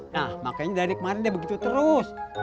nah makanya dari kemarin dia begitu terus